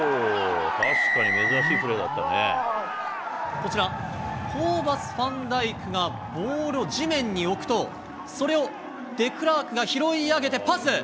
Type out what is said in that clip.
こちら、コーバス・ファンダイクがボールを地面に置くと、それをデクラークが拾い上げてパス。